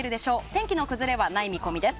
天気の崩れはない見込みです。